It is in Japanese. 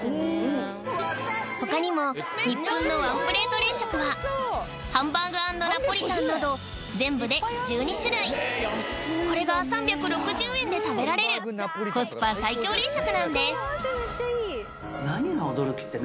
他にもニップンのワンプレート冷食はハンバーグ＆ナポリタンなど全部で１２種類これが３６０円で食べられるコスパ最強冷食なんです何が驚きってね